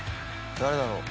誰だろう？